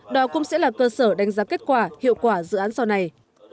đó cũng sẽ là cơ sở đánh giá kết quả hiệu quả dự án sau này